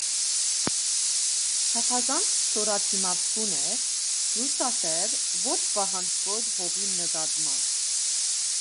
Չափազանց չորադիմացկուն է, լուսասեր, ոչ պահանջկոտ հողի նկատմամբ։